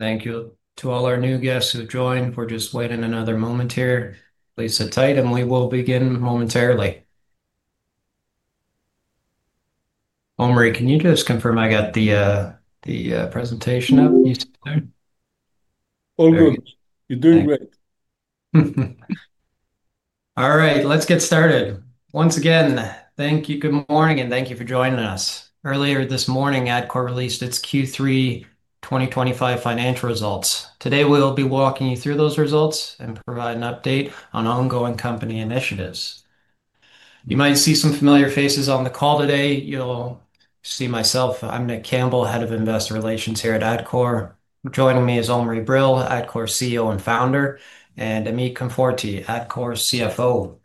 Thank you. To all our new guests who've joined, we're just waiting another moment here. Please sit tight, and we will begin momentarily. Omri, can you just confirm I got the presentation up? All good. You're doing great. All right. Let's get started. Once again, thank you. Good morning, and thank you for joining us. Earlier this morning, Adcore released its Q3 2025 financial results. Today, we'll be walking you through those results and providing an update on ongoing company initiatives. You might see some familiar faces on the call today. You'll see myself. I'm Nick Campbell, Head of Investor Relations here at Adcore. Joining me is Omri Brill, Adcore CEO and founder, and Amit Konforty, Adcore CFO.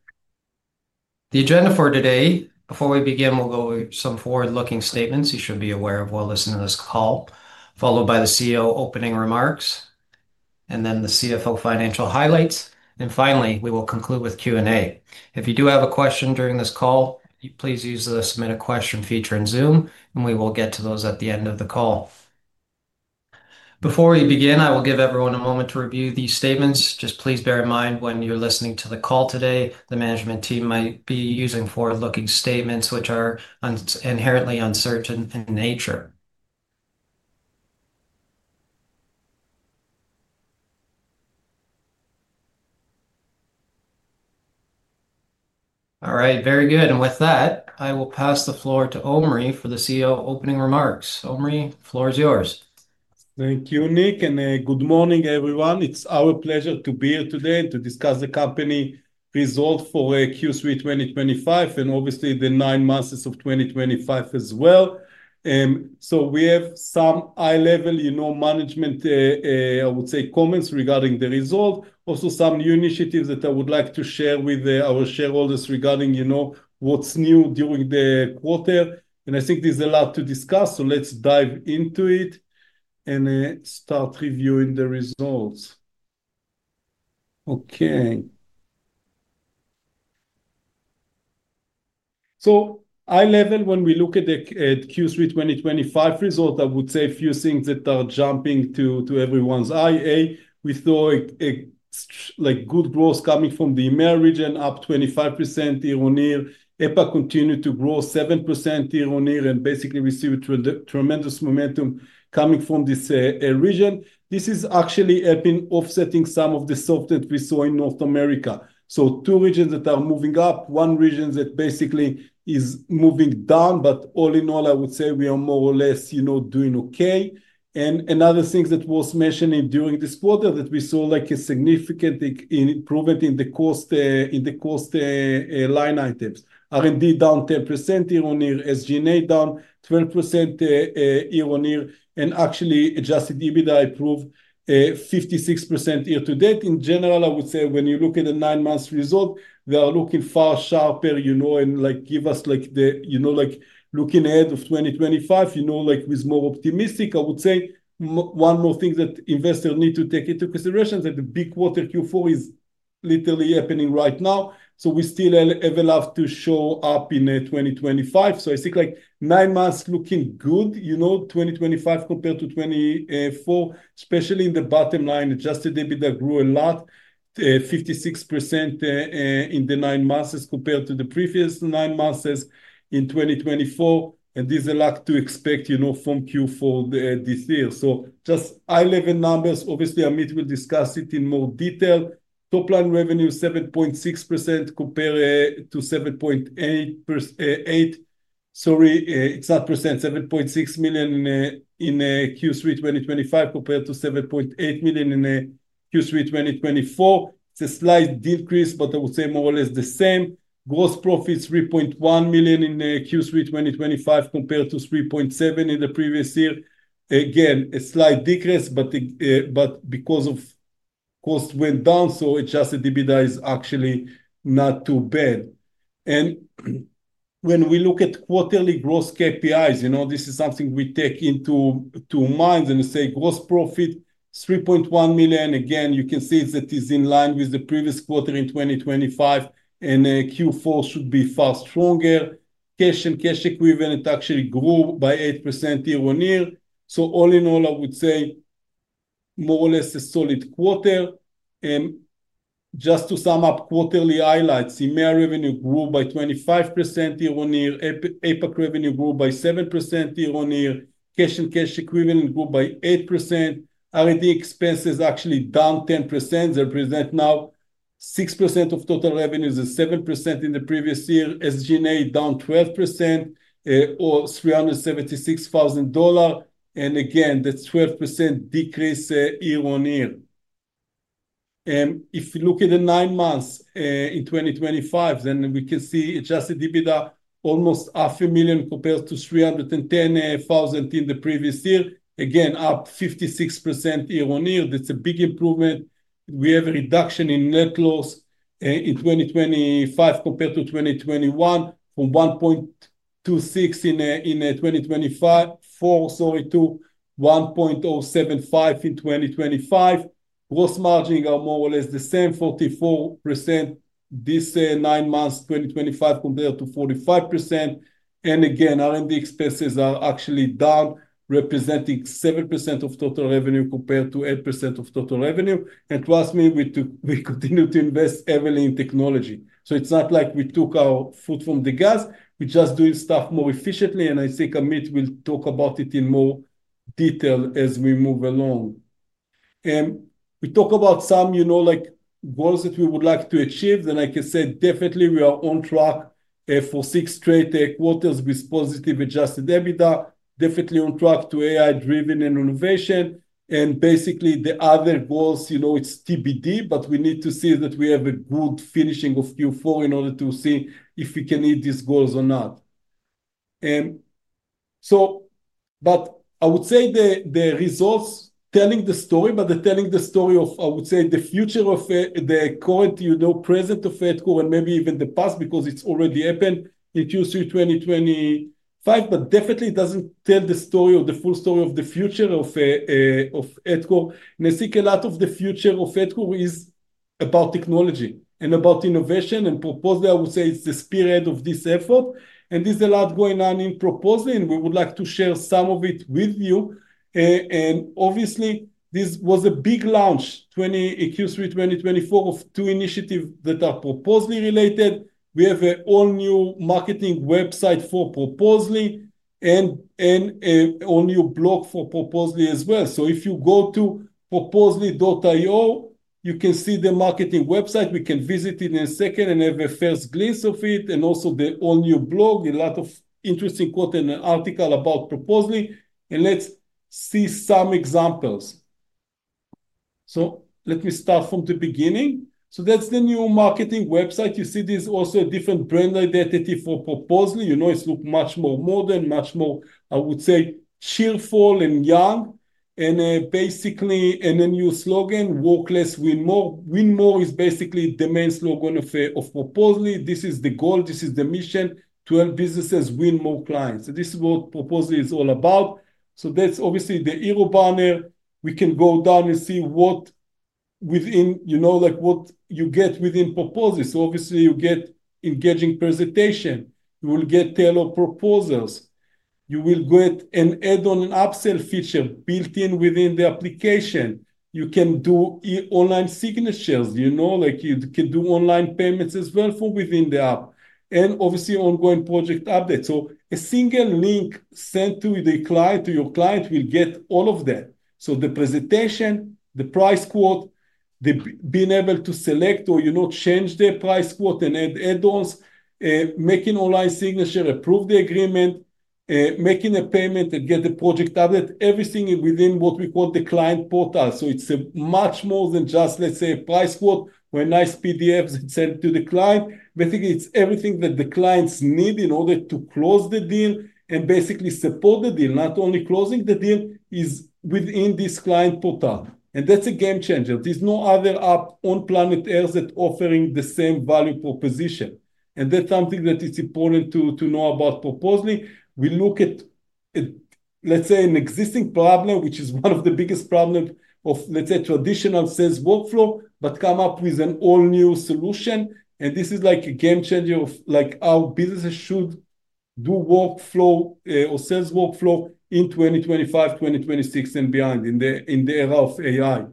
The agenda for today, before we begin, we'll go over some forward-looking statements you should be aware of while listening to this call, followed by the CEO opening remarks, and then the CFO financial highlights. Finally, we will conclude with Q&A. If you do have a question during this call, please use the Submit a Question feature in Zoom, and we will get to those at the end of the call. Before we begin, I will give everyone a moment to review these statements. Just please bear in mind, when you're listening to the call today, the management team might be using forward-looking statements, which are inherently uncertain in nature. All right. Very good. With that, I will pass the floor to Omri for the CEO opening remarks. Omri, the floor is yours. Thank you, Nick, and good morning, everyone. It's our pleasure to be here today and to discuss the company results for Q3 2025 and, obviously, the nine months of 2025 as well. We have some eye-level management, I would say, comments regarding the result. Also, some new initiatives that I would like to share with our shareholders regarding what's new during the quarter. I think there's a lot to discuss, so let's dive into it and start reviewing the results. Okay. Eye-level, when we look at the Q3 2025 result, I would say a few things that are jumping to everyone's eye. We saw good growth coming from the EMEA region, up 25% year-on-year. APAC continued to grow 7% year-on-year and basically received tremendous momentum coming from this region. This is actually helping offsetting some of the softness we saw in North America. Two regions that are moving up, one region that basically is moving down. All in all, I would say we are more or less doing okay. Another thing that was mentioned during this quarter is that we saw a significant improvement in the cost line items: R&D down 10% year-on-year, SG&A down 12% year-on-year, and actually adjusted EBITDA improved 56% year-to-date. In general, I would say when you look at the nine-month result, they are looking far sharper and give us the looking ahead of 2025 with more optimistic, I would say, one more thing that investors need to take into consideration is that the big quarter Q4 is literally happening right now. We still have a lot to show up in 2025. I think nine months looking good, 2025 compared to 2024, especially in the bottom line. Adjusted EBITDA grew a lot, 56% in the nine months as compared to the previous nine months in 2024. There is a lot to expect from Q4 this year. Just eye-level numbers. Obviously, Amit will discuss it in more detail. Top-line revenue, 7.6 million compared to 7.8 million. Sorry, it's not percent. 7.6 million in Q3 2025 compared to 7.8 million in Q3 2024. It's a slight decrease, but I would say more or less the same. Gross profit, 3.1 million in Q3 2025 compared to 3.7 million in the previous year. Again, a slight decrease, but because cost went down, adjusted EBITDA is actually not too bad. When we look at quarterly gross KPIs, this is something we take into mind. I say gross profit, 3.1 million. Again, you can see that it's in line with the previous quarter in 2025, and Q4 should be far stronger. Cash and cash equivalent actually grew by 8% year-on-year. All in all, I would say more or less a solid quarter. Just to sum up quarterly highlights, EMEA revenue grew by 25% year-on-year. APAC revenue grew by 7% year-on-year. Cash and cash equivalent grew by 8%. R&D expenses actually down 10%. They represent now 6% of total revenues, 7% in the previous year. SG&A down 12%, or 376,000 dollar. That is a 12% decrease year-on-year. If you look at the nine months in 2025, then we can see adjusted EBITDA almost 500,000 compared to 310,000 in the previous year. Up 56% year-on-year. That is a big improvement. We have a reduction in net loss in 2025 compared to 2024 from 1.26 million to 1.075 million in 2025. Gross margins are more or less the same, 44% this nine months 2025 compared to 45%. R&D expenses are actually down, representing 7% of total revenue compared to 8% of total revenue. Trust me, we continue to invest heavily in technology. It is not like we took our foot from the gas. We are just doing stuff more efficiently. I think Amit will talk about it in more detail as we move along. We talk about some goals that we would like to achieve. I can say, definitely, we are on track for six straight quarters with positive adjusted EBITDA. Definitely on track to AI-driven innovation. Basically, the other goals, it is TBD, but we need to see that we have a good finishing of Q4 in order to see if we can hit these goals or not. I would say the results tell the story, but they're telling the story of, I would say, the future of the current present of Adcore and maybe even the past because it's already happened in Q3 2025. It definitely doesn't tell the story or the full story of the future of Adcore. I think a lot of the future of Adcore is about technology and about innovation. Proposaly, I would say, it's the spearhead of this effort. There's a lot going on in Proposaly, and we would like to share some of it with you. Obviously, this was a big launch in Q3 2024 of two initiatives that are Proposaly related. We have an all-new marketing website for Proposaly and an all-new blog for Proposaly as well. If you go to proposaly.io, you can see the marketing website. We can visit it in a second and have a first glimpse of it. Also, the all-new blog, a lot of interesting quotes and articles about Proposaly. Let's see some examples. Let me start from the beginning. That's the new marketing website. You see there's also a different brand identity for Proposaly. It looks much more modern, much more, I would say, cheerful and young. Basically, and a new slogan, "Work less, win more." Win more is basically the main slogan of Proposaly. This is the goal. This is the mission: to help businesses win more clients. This is what Proposaly is all about. That's obviously the hero banner. We can go down and see what you get within Proposaly. Obviously, you get engaging presentation. You will get tailored proposals. You will get an add-on and upsell feature built in within the application. You can do online signatures. You can do online payments as well from within the app. Obviously, ongoing project updates. A single link sent to your client will get all of that. The presentation, the price quote, being able to select or change their price quote and add add-ons, making online signature, approve the agreement, making a payment, and get the project update, everything within what we call the client portal. It is much more than just, let's say, a price quote or a nice PDF sent to the client. Basically, it is everything that the clients need in order to close the deal and basically support the deal. Not only closing the deal is within this client portal. That is a game changer. There is no other app on planet Earth that is offering the same value proposition. That is something that is important to know about Proposaly. We look at, let's say, an existing problem, which is one of the biggest problems of, let's say, traditional sales workflow, but come up with an all-new solution. This is like a game changer of how businesses should do workflow or sales workflow in 2025, 2026, and beyond in the era of AI.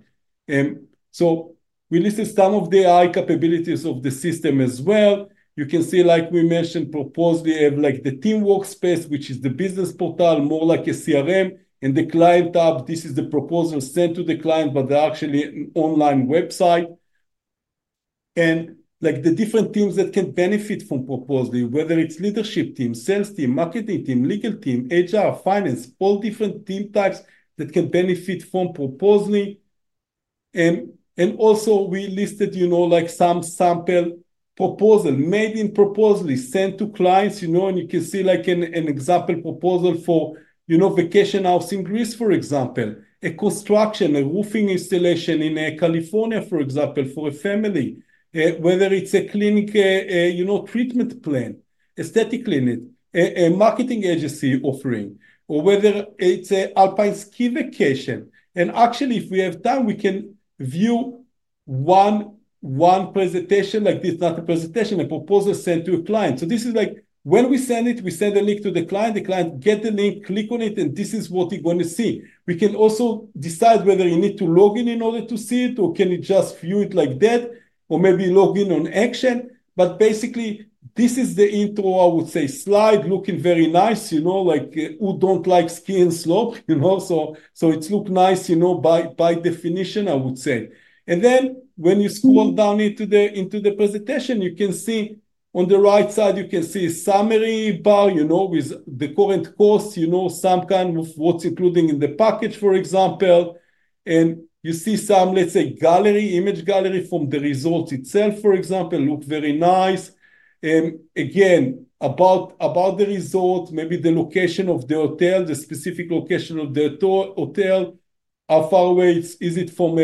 We listed some of the AI capabilities of the system as well. You can see, like we mentioned, Proposaly have the team workspace, which is the business portal, more like a CRM, and the client app. This is the proposal sent to the client, but they're actually an online website. The different teams that can benefit from Proposaly, whether it's leadership team, sales team, marketing team, legal team, HR, finance, all different team types that can benefit from Proposaly. We listed some sample proposal made in Proposaly sent to clients. You can see an example proposal for vacation house in Greece, for example, a construction, a roofing installation in California, for example, for a family, whether it's a clinic treatment plan, aesthetic clinic, a marketing agency offering, or whether it's an Alpine ski vacation. Actually, if we have time, we can view one presentation like this. Not a presentation, a proposal sent to a client. This is like when we send it, we send a link to the client. The client gets the link, clicks on it, and this is what you're going to see. We can also decide whether you need to log in in order to see it, or can you just view it like that, or maybe log in on action. Basically, this is the intro, I would say, slide looking very nice, like who don't like skiing slope. It looks nice by definition, I would say. When you scroll down into the presentation, you can see on the right side, you can see a summary bar with the current cost, some kind of what's included in the package, for example. You see some, let's say, gallery, image gallery from the result itself, for example, look very nice. Again, about the result, maybe the location of the hotel, the specific location of the hotel, how far away is it from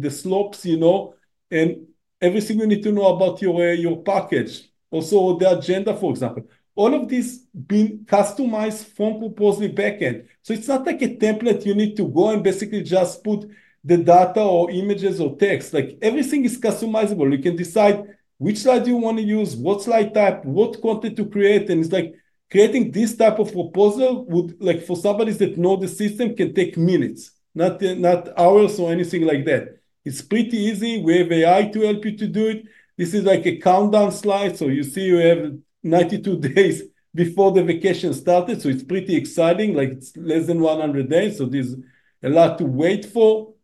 the slopes. Everything you need to know about your package. Also, the agenda, for example, all of this being customized from Proposaly backend. It is not like a template you need to go and basically just put the data or images or text. Everything is customizable. You can decide which slide you want to use, what slide type, what content to create. It's like creating this type of proposal would, for somebody that knows the system, can take minutes, not hours or anything like that. It's pretty easy. We have AI to help you to do it. This is like a countdown slide. You see you have 92 days before the vacation started. It's pretty exciting. It's less than 100 days. There's a lot to wait for.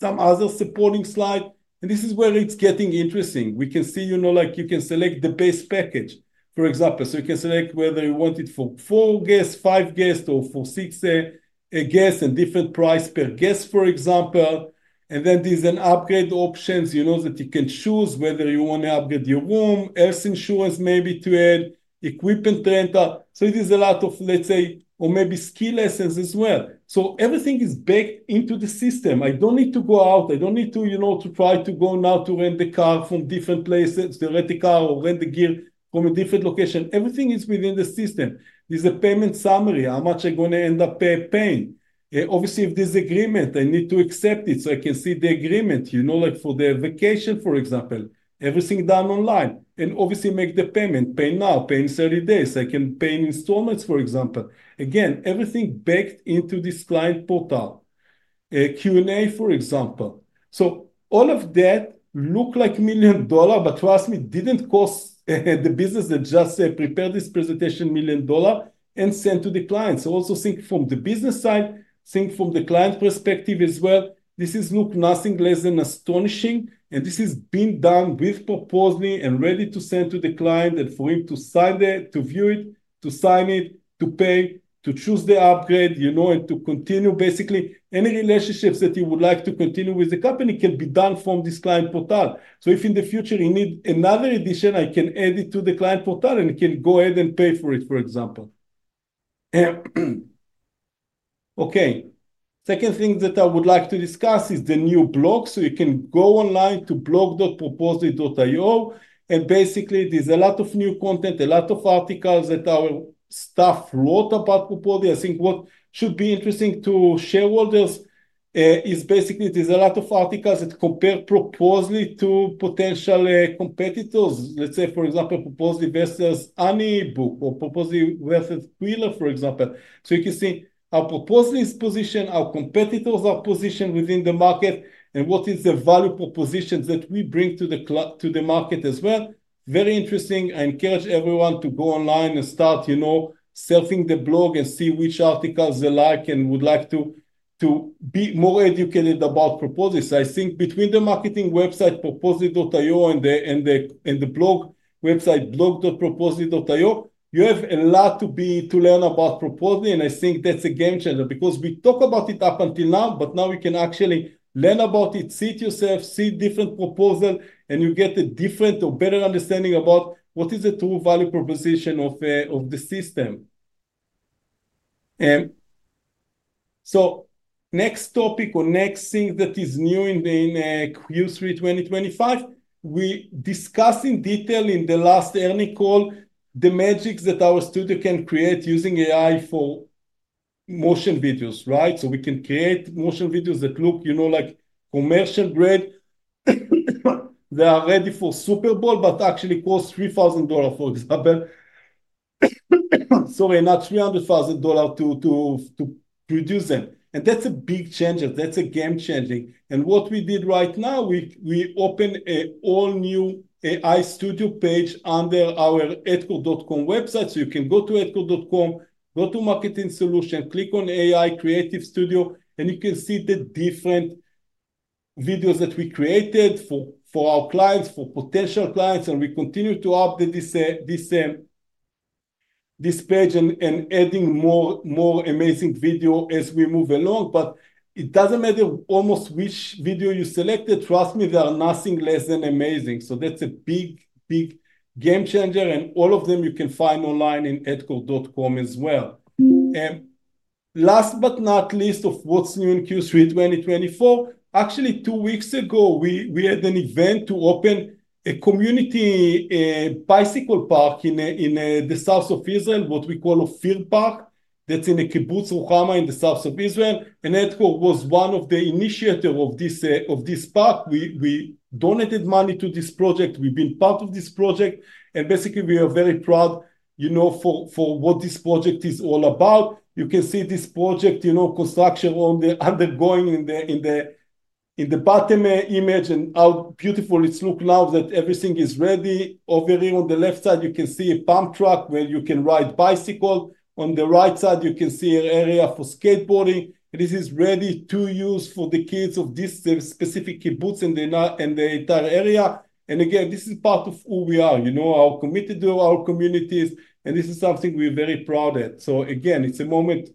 Some other supporting slide. This is where it's getting interesting. We can see you can select the base package, for example. You can select whether you want it for four guests, five guests, or for six guests and different price per guest, for example. Then there's an upgrade options that you can choose whether you want to upgrade your room, health insurance maybe to add, equipment rental. There's a lot of, let's say, or maybe ski lessons as well. Everything is baked into the system. I don't need to go out. I don't need to try to go now to rent the car from different places, rent a car or rent the gear from a different location. Everything is within the system. There's a payment summary, how much I'm going to end up paying. Obviously, if there's an agreement, I need to accept it so I can see the agreement. For the vacation, for example, everything done online. Obviously, make the payment, pay now, pay in 30 days. I can pay in installments, for example. Again, everything baked into this client portal. Q&A, for example. All of that looked like million dollar, but trust me, it did not cost the business that just prepared this presentation a million dollars and sent it to the client. Also, think from the business side, think from the client perspective as well. This looks nothing less than astonishing. This has been done with Proposaly and is ready to send to the client for him to sign it, to view it, to sign it, to pay, to choose the upgrade, and to continue. Basically, any relationships that you would like to continue with the company can be done from this client portal. If in the future you need another edition, I can add it to the client portal and you can go ahead and pay for it, for example. Okay. The second thing that I would like to discuss is the new blog. You can go online to blog.proposly.io. Basically, there is a lot of new content, a lot of articles that our staff wrote about Proposaly. I think what should be interesting to shareholders is there are a lot of articles that compare Proposaly to potential competitors. Let's say, for example, Proposaly versus HoneyBook or Proposaly versus Qwilr, for example. You can see how Proposaly is positioned, how competitors are positioned within the market, and what is the value proposition that we bring to the market as well. Very interesting. I encourage everyone to go online and start surfing the blog and see which articles they like and would like to be more educated about Proposaly. I think between the marketing website, proposly.io, and the blog website, blog.proposly.io, you have a lot to learn about Proposaly. I think that's a game changer because we talked about it up until now, but now we can actually learn about it, see it yourself, see different proposals, and you get a different or better understanding about what is the true value proposition of the system. Next topic or next thing that is new in Q3 2025, we discussed in detail in the last earning call the magic that our studio can create using AI for motion videos, right? We can create motion videos that look like commercial grade. They are ready for Super Bowl, but actually cost 3,000 dollars, for example. Sorry, not 300,000 dollars to produce them. That's a big change. That's game changing. What we did right now, we opened an all-new AI studio page under our adcore.com website. You can go to adcore.com, go to Marketing Solution, click on AI Creative Studio, and you can see the different videos that we created for our clients, for potential clients. We continue to update this page and add more amazing videos as we move along. It does not matter almost which video you selected. Trust me, they are nothing less than amazing. That is a big, big game changer. All of them you can find online in adcore.com as well. Last but not least, of what is new in Q3 2024, actually two weeks ago, we had an event to open a community bicycle park in the south of Israel, what we call a field park that is in a Kibbutz Ruhama in the south of Israel. Adcore was one of the initiators of this park. We donated money to this project. We have been part of this project. Basically, we are very proud for what this project is all about. You can see this project construction undergoing in the bottom image and how beautiful it looks now that everything is ready. Over here on the left side, you can see a pump track where you can ride bicycles. On the right side, you can see an area for skateboarding. This is ready to use for the kids of this specific Kibbutz and the entire area. Again, this is part of who we are, our commitment to our communities. This is something we're very proud of. It is a moment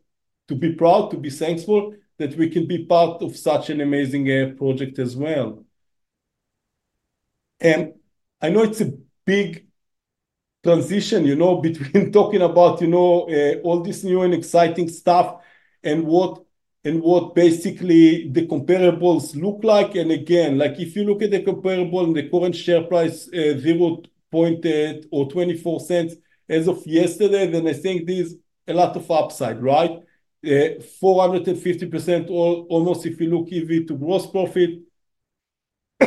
to be proud, to be thankful that we can be part of such an amazing project as well. I know it is a big transition between talking about all this new and exciting stuff and what basically the comparables look like. If you look at the comparable and the current share price, 0.80 or 0.24 as of yesterday, I think there is a lot of upside, right? 450% almost if you look even to gross profit.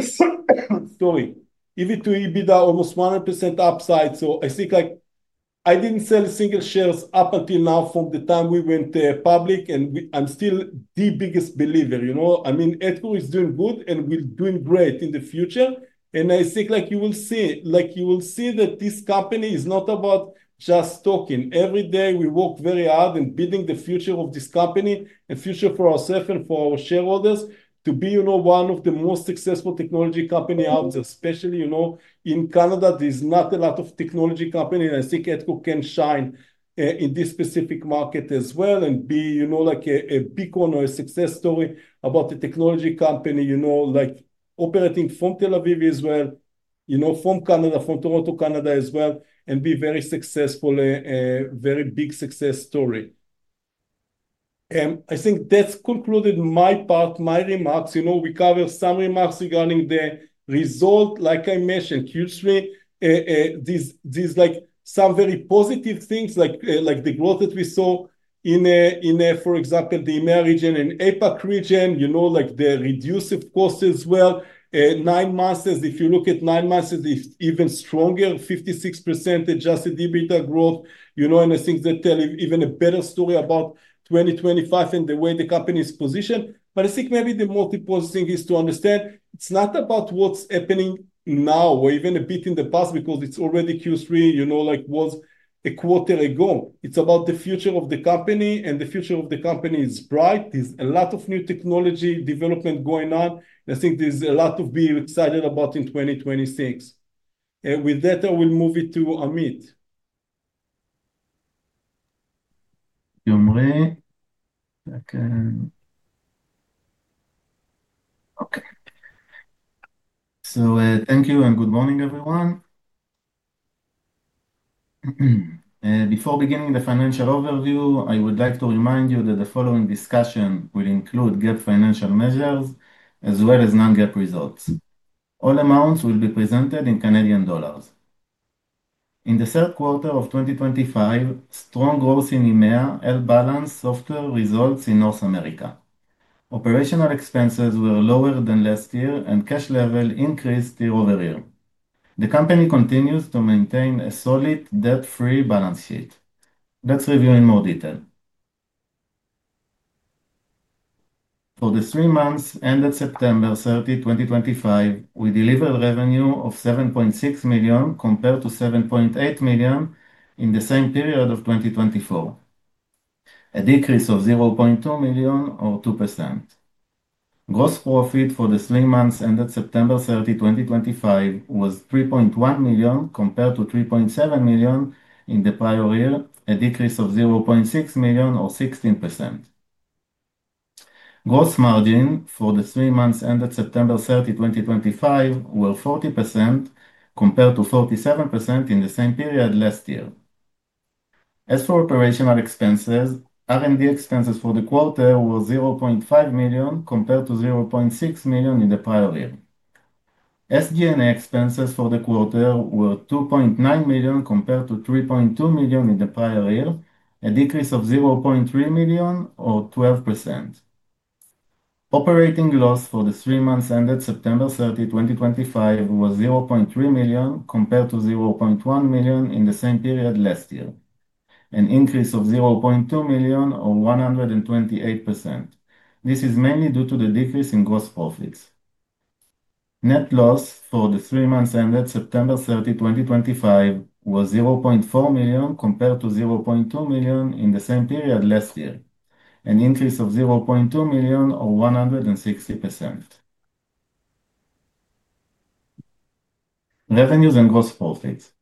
Sorry, EBIT to EBITDA, almost 100% upside. I think I did not sell single shares up until now from the time we went public, and I am still the biggest believer. I mean, Adcore is doing good, and we are doing great in the future. I think you will see that this company is not about just talking. Every day, we work very hard in building the future of this company and future for ourselves and for our shareholders to be one of the most successful technology companies out there, especially in Canada. There are not a lot of technology companies. I think Adcore can shine in this specific market as well and be a big one or a success story about the technology company, operating from Tel Aviv as well, from Canada, from Toronto, Canada as well, and be very successful, a very big success story. I think that concluded my part, my remarks. We covered some remarks regarding the result. Like I mentioned, Q3, there are some very positive things, like the growth that we saw in, for example, the EMEA region and APAC region, like the reduce of costs as well. Nine months, if you look at nine months, it is even stronger, 56% adjusted EBITDA growth. I think that tells even a better story about 2025 and the way the company is positioned. I think maybe the multiple thing is to understand it's not about what's happening now or even a bit in the past because it's already Q3, like was a quarter ago. It's about the future of the company, and the future of the company is bright. There's a lot of new technology development going on. I think there's a lot to be excited about in 2026. With that, I will move it to Amit. Omri. Okay. Thank you and good morning, everyone. Before beginning the financial overview, I would like to remind you that the following discussion will include GAAP financial measures as well as non-GAAP results. All amounts will be presented in Canadian dollars. In the third quarter of 2025, strong growth in EMEA, well-balanced software results in North America. Operational expenses were lower than last year, and cash level increased year-over-year. The company continues to maintain a solid debt-free balance sheet. Let's review in more detail. For the three months ended September 30, 2025, we delivered revenue of 7.6 million compared to 7.8 million in the same period of 2024, a decrease of 0.2 million or 2%. Gross profit for the three months ended September 30, 2025, was 3.1 million compared to 3.7 million in the prior year, a decrease of 0.6 million or 16%. Gross margin for the three months ended September 30, 2025, was 40% compared to 47% in the same period last year. As for operational expenses, R&D expenses for the quarter were 0.5 million compared to 0.6 million in the prior year. SG&A expenses for the quarter were 2.9 million compared to 3.2 million in the prior year, a decrease of 0.3 million or 12%. Operating loss for the three months ended September 30, 2025, was 0.3 million compared to 0.1 million in the same period last year, an increase of 0.2 million or 128%. This is mainly due to the decrease in gross profits. Net loss for the three months ended September 30, 2025, was 0.4 million compared to 0.2 million in the same period last year, an increase of 0.2 million or 160%. Revenues and gross profits.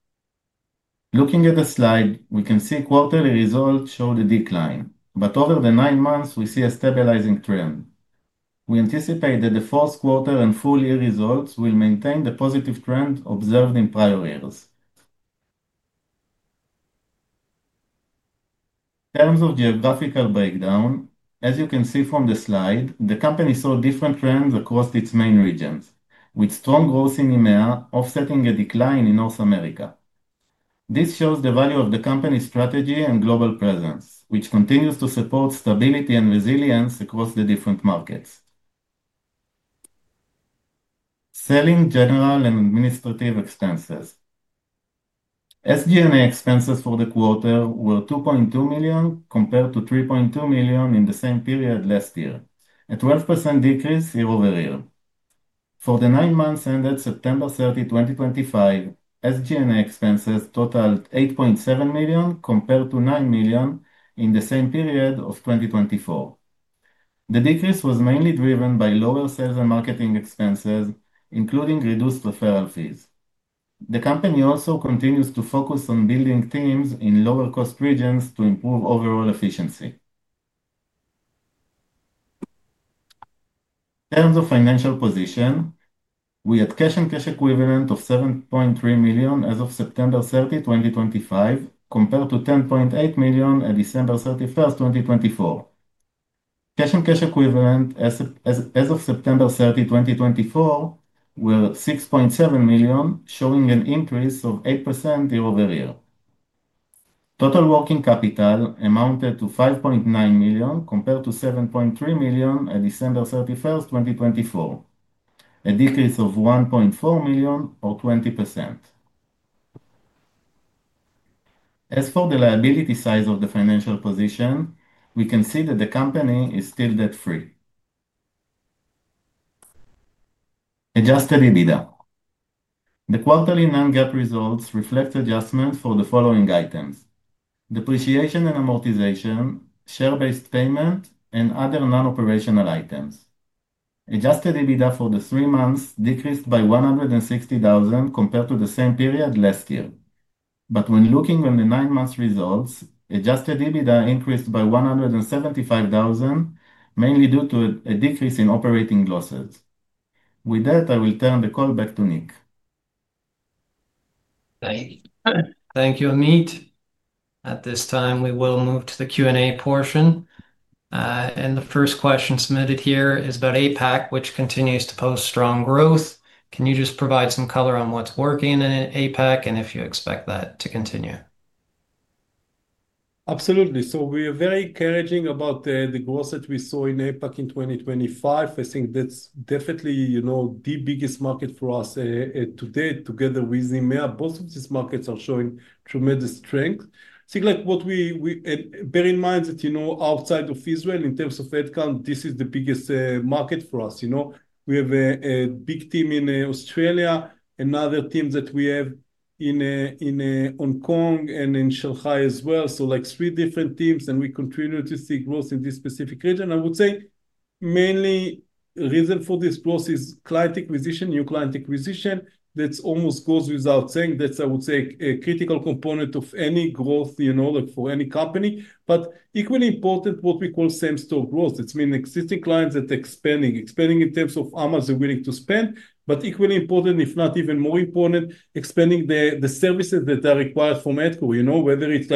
Looking at the slide, we can see quarterly results show the decline, but over the nine months, we see a stabilizing trend. We anticipate that the fourth quarter and full year results will maintain the positive trend observed in prior years. In terms of geographical breakdown, as you can see from the slide, the company saw different trends across its main regions, with strong growth in EMEA offsetting a decline in North America. This shows the value of the company's strategy and global presence, which continues to support stability and resilience across the different markets. Selling, general, and administrative expenses. SG&A expenses for the quarter were 2.2 million compared to 3.2 million in the same period last year, a 12% decrease year-over-year. For the nine months ended September 30, 2025, SG&A expenses totaled 8.7 million compared to 9 million in the same period of 2024. The decrease was mainly driven by lower sales and marketing expenses, including reduced referral fees. The company also continues to focus on building teams in lower-cost regions to improve overall efficiency. In terms of financial position, we had cash and cash equivalent of 7.3 million as of September 30, 2025, compared to 10.8 million at December 31st, 2024. Cash and cash equivalent as of September 30, 2024, were 6.7 million, showing an increase of 8% year-over-year. Total working capital amounted to 5.9 million compared to 7.3 million at December 31st, 2024, a decrease of 1.4 million or 20%. As for the liability side of the financial position, we can see that the company is still debt-free. Adjusted EBITDA. The quarterly non-GAAP results reflect adjustments for the following items: depreciation and amortization, share-based payment, and other non-operational items. Adjusted EBITDA for the three months decreased by 160,000 compared to the same period last year. When looking on the nine-month results, adjusted EBITDA increased by 175,000, mainly due to a decrease in operating losses. With that, I will turn the call back to Nick. Thank you, Amit. At this time, we will move to the Q&A portion. The first question submitted here is about APAC, which continues to post strong growth. Can you just provide some color on what's working in APAC and if you expect that to continue? Absolutely. We are very encouraged about the growth that we saw in APAC in 2025. I think that's definitely the biggest market for us today, together with EMEA. Both of these markets are showing tremendous strength. I think what we—bear in mind that outside of Israel, in terms of headcount, this is the biggest market for us. We have a big team in Australia, another team that we have in Hong Kong and in Shanghai as well. Three different teams, and we continue to see growth in this specific region. I would say mainly the reason for this growth is client acquisition, new client acquisition. That almost goes without saying. That's, I would say, a critical component of any growth for any company. Equally important, what we call same-store growth. It means existing clients that are expanding, expanding in terms of how much they're willing to spend, but equally important, if not even more important, expanding the services that are required from Adcore, whether it's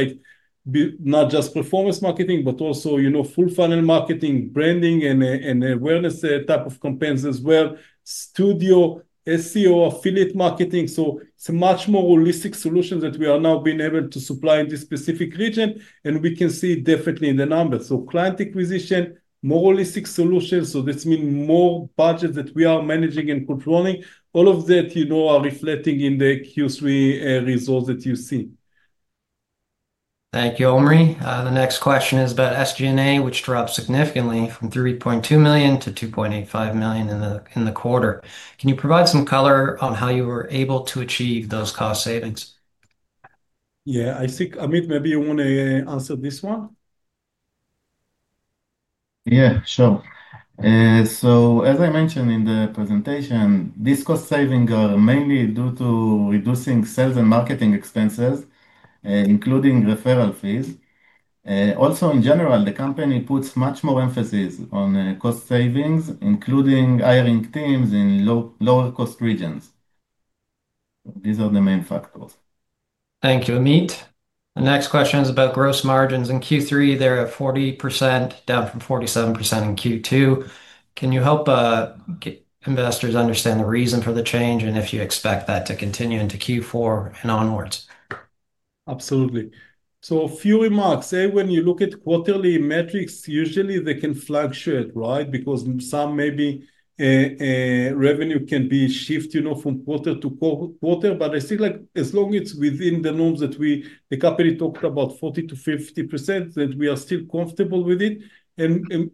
not just performance marketing, but also full-funnel marketing, branding, and awareness type of campaigns as well, studio, SEO, affiliate marketing. It is a much more holistic solution that we are now being able to supply in this specific region, and we can see it definitely in the numbers. Client acquisition, more holistic solutions. This means more budgets that we are managing and controlling. All of that is reflecting in the Q3 results that you see. Thank you, Omri. The next question is about SG&A, which dropped significantly from 3.2 million to 2.85 million in the quarter. Can you provide some color on how you were able to achieve those cost savings? Yeah, I think, Amit, maybe you want to answer this one? Yeah, sure. So as I mentioned in the presentation, these cost savings are mainly due to reducing sales and marketing expenses, including referral fees. Also, in general, the company puts much more emphasis on cost savings, including hiring teams in lower-cost regions. These are the main factors. Thank you, Amit. The next question is about gross margins in Q3. They're at 40% down from 47% in Q2. Can you help investors understand the reason for the change and if you expect that to continue into Q4 and onwards? Absolutely. So a few remarks. When you look at quarterly metrics, usually they can fluctuate, right? Because some maybe revenue can be shifted from quarter to quarter. I think as long as it's within the norms that we—the company talked about 40%-50%, that we are still comfortable with it.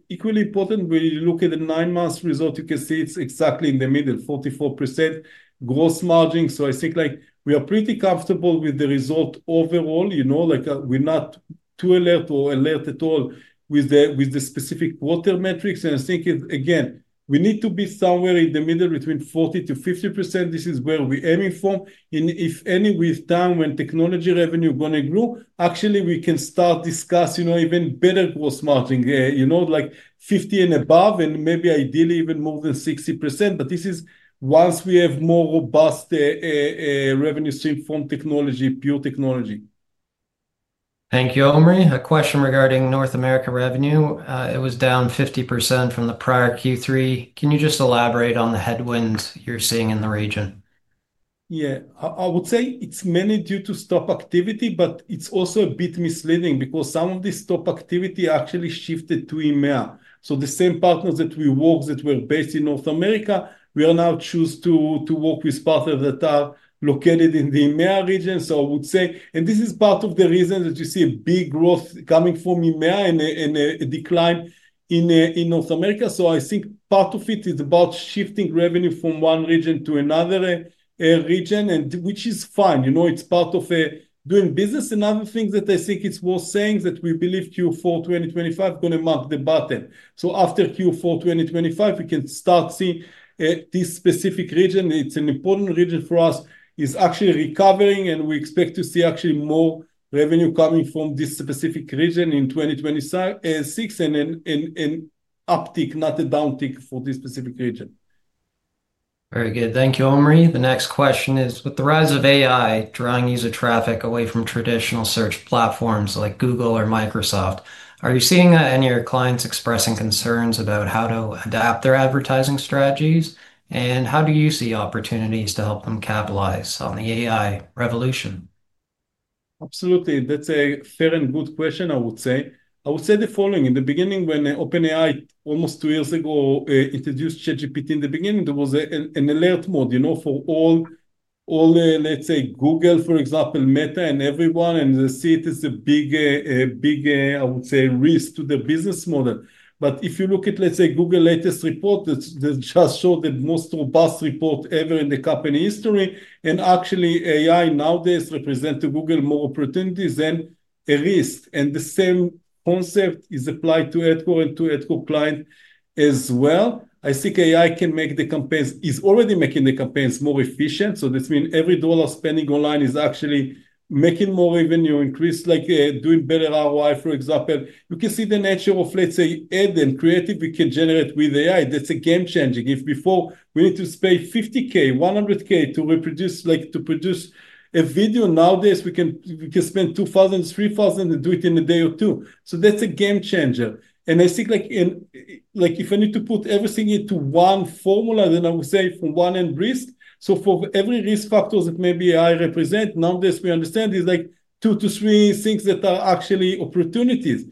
Equally important, when you look at the nine-month result, you can see it's exactly in the middle, 44% gross margin. I think we are pretty comfortable with the result overall. We're not too alert or alert at all with the specific quarter metrics. I think, again, we need to be somewhere in the middle between 40%-50%. This is where we're aiming for. If any, with time when technology revenue is going to grow, actually, we can start discussing even better gross margin, like 50% and above, and maybe ideally even more than 60%. This is once we have more robust revenue stream from technology, pure technology. Thank you, Omri. A question regarding North America revenue. It was down 50% from the prior Q3. Can you just elaborate on the headwinds you're seeing in the region? Yeah, I would say it's mainly due to stock activity, but it's also a bit misleading because some of this stock activity actually shifted to EMEA. The same partners that we worked with that were based in North America, we are now choosing to work with partners that are located in the EMEA region. I would say, and this is part of the reason that you see a big growth coming from EMEA and a decline in North America. I think part of it is about shifting revenue from one region to another region, which is fine. It's part of doing business. Another thing that I think is worth saying is that we believe Q4 2025 is going to mark the bottom. After Q4 2025, we can start seeing this specific region. It's an important region for us. It's actually recovering, and we expect to see actually more revenue coming from this specific region in 2026 and an uptick, not a downtick for this specific region. Very good. Thank you, Omri. The next question is, with the rise of AI drawing user traffic away from traditional search platforms like Google or Microsoft, are you seeing any of your clients expressing concerns about how to adapt their advertising strategies? How do you see opportunities to help them capitalize on the AI revolution? Absolutely. That's a fair and good question, I would say. I would say the following. In the beginning, when OpenAI, almost two years ago, introduced ChatGPT, in the beginning, there was an alert mode for all, let's say, Google, for example, Meta, and everyone. They see it as a big, I would say, risk to their business model. If you look at, let's say, Google's latest report, that just showed the most robust report ever in the company history. Actually, AI nowadays represents to Google more opportunities than a risk. The same concept is applied to Adcore and to Adcore clients as well. I think AI can make the campaigns—it's already making the campaigns more efficient. That means every dollar spending online is actually making more revenue increase, like doing better ROI, for example. You can see the nature of, let's say, ad and creative we can generate with AI. That's a game-changing. If before we need to spend 50,000, CAD 100,000 to produce a video, nowadays we can spend 2,000, 3,000 and do it in a day or two. That is a game-changer. I think if I need to put everything into one formula, then I would say from one end, risk. For every risk factor that maybe AI represents, nowadays we understand it is like two to three things that are actually opportunities.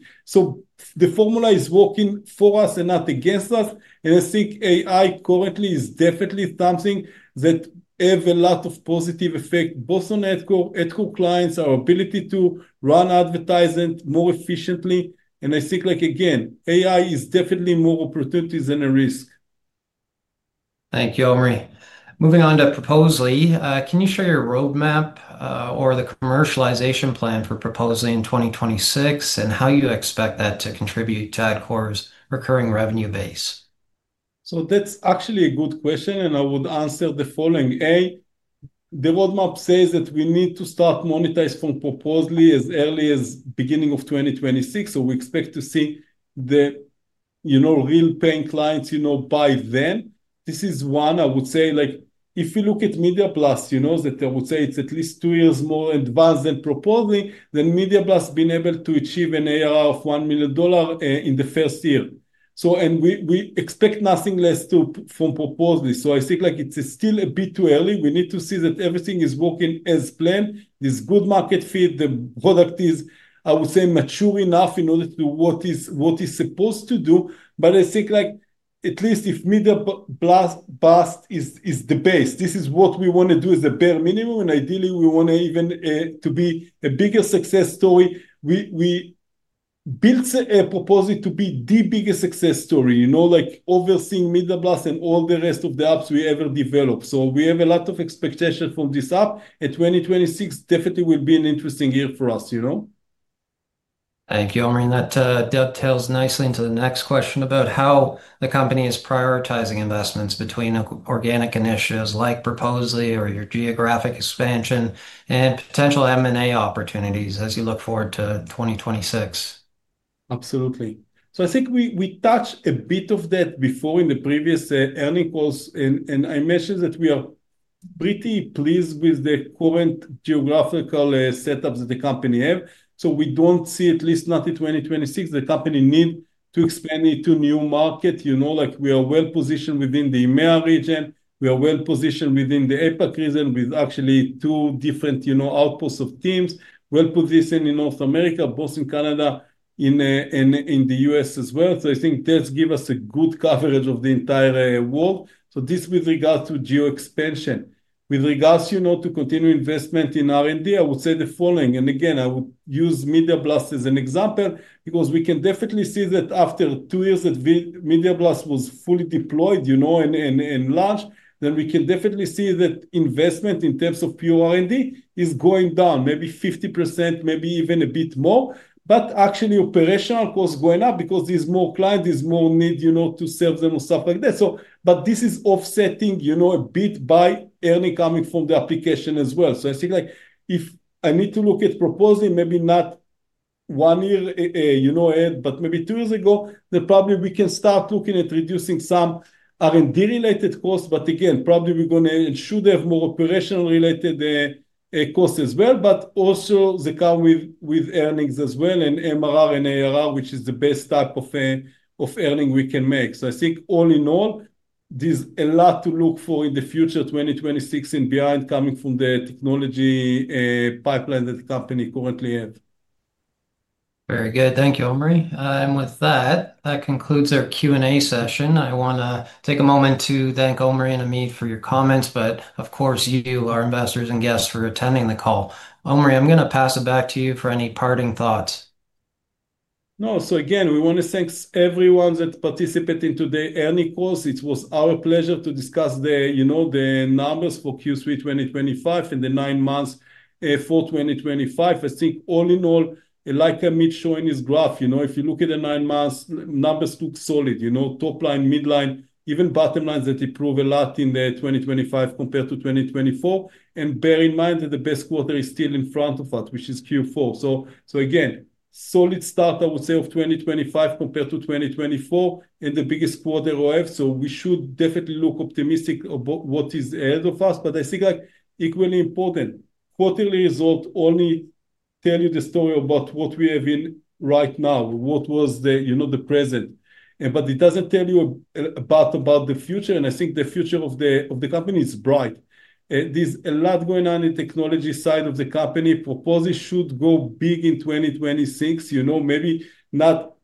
The formula is working for us and not against us. I think AI currently is definitely something that has a lot of positive effect, both on Adcore clients, our ability to run advertisements more efficiently. I think, again, AI is definitely more opportunities than a risk. Thank you, Omri. Moving on to Proposaly, can you share your roadmap or the commercialization plan for Proposaly in 2026 and how you expect that to contribute to Adcore's recurring revenue base? That's actually a good question, and I would answer the following. A, the roadmap says that we need to start monetizing from Proposaly as early as the beginning of 2026. We expect to see the real paying clients by then. This is one, I would say, like if you look at MediaBlast, I would say it's at least two years more advanced than Proposaly, then MediaBlast has been able to achieve an ARR of 1 million dollar in the first year. We expect nothing less from Proposaly. I think it's still a bit too early. We need to see that everything is working as planned. There's good market fit. The product is, I would say, mature enough in order to do what it's supposed to do. I think at least if MediaBlast is the base, this is what we want to do as a bare minimum. Ideally, we want to even be a bigger success story. We built Proposaly to be the biggest success story, overseeing MediaBlast and all the rest of the apps we ever developed. We have a lot of expectations from this app. 2026 definitely will be an interesting year for us. Thank you, Omri. That dovetails nicely into the next question about how the company is prioritizing investments between organic initiatives like Proposaly or your geographic expansion and potential M&A opportunities as you look forward to 2026. Absolutely. I think we touched a bit of that before in the previous earning calls. I mentioned that we are pretty pleased with the current geographical setups that the company has. We do not see, at least not in 2026, the company needing to expand into a new market. We are well positioned within the EMEA region. We are well positioned within the APAC region with actually two different outposts of teams, well positioned in North America, both in Canada and in the U.S. as well. I think that gives us a good coverage of the entire world. This is with regards to geo-expansion. With regards to continuing investment in R&D, I would say the following. Again, I would use MediaBlast as an example because we can definitely see that after two years that MediaBlast was fully deployed and launched, we can definitely see that investment in terms of pure R&D is going down, maybe 50%, maybe even a bit more. Actually, operational was going up because there are more clients, there is more need to serve them and stuff like that. This is offsetting a bit by earning coming from the application as well. I think if I need to look at Proposaly, maybe not one year ahead, but maybe two years ago, then probably we can start looking at reducing some R&D-related costs. Again, probably we are going to should have more operational-related costs as well, but also come with earnings as well and MRR and ARR, which is the best type of earning we can make. I think all in all, there is a lot to look for in the future, 2026 and beyond, coming from the technology pipeline that the company currently has. Very good. Thank you, Omri. With that, that concludes our Q&A session. I want to take a moment to thank Omri and Amit for your comments, but of course, you, our investors and guests, for attending the call. Omri, I'm going to pass it back to you for any parting thoughts. No. Again, we want to thank everyone that participated in today's earning calls. It was our pleasure to discuss the numbers for Q3 2025 and the nine months for 2025. I think all in all, like Amit showing his graph, if you look at the nine months, numbers look solid. Top line, midline, even bottom lines that improve a lot in 2025 compared to 2024. Bear in mind that the best quarter is still in front of us, which is Q4. Again, solid start, I would say, of 2025 compared to 2024 and the biggest quarter [ahead]. We should definitely look optimistic about what is ahead of us. I think equally important, quarterly results only tell you the story about what we have in right now, what was the present. It does not tell you a lot about the future. I think the future of the company is bright. There is a lot going on in the technology side of the company. Proposaly should go big in 2026. Maybe not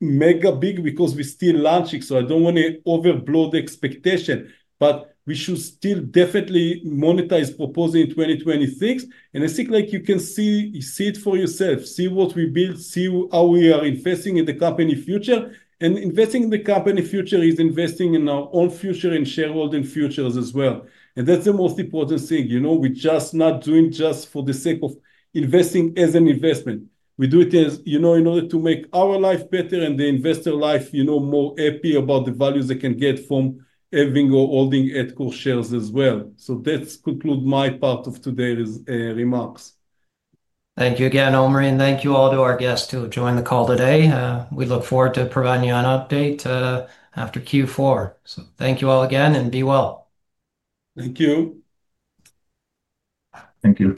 mega big because we are still launching. I do not want to overblow the expectation. We should still definitely monetize Proposaly in 2026. I think you can see it for yourself. See what we build, see how we are investing in the company future. Investing in the company future is investing in our own future and shareholding futures as well. That is the most important thing. We're just not doing just for the sake of investing as an investment. We do it in order to make our life better and the investor life more happy about the values they can get from having or holding Adcore shares as well. That concludes my part of today's remarks. Thank you again, Omri. Thank you all to our guests who joined the call today. We look forward to providing you an update after Q4. Thank you all again and be well. Thank you. Thank you.